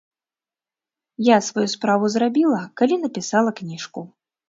Я сваю справу зрабіла, калі напісала кніжку.